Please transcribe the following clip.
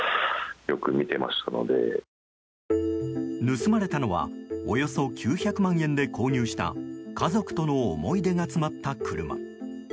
盗まれたのはおよそ９００万円で購入した家族との思い出が詰まった車。